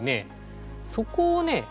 そこをね